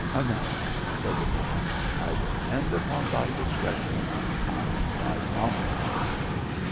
"Enough," said the Moor, " I depend upon thy discretion and thy promise."